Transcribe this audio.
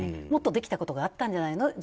もっとできたことがあったんじゃないの？